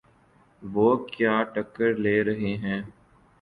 وہ کیا ٹکر لے رہے ہیں؟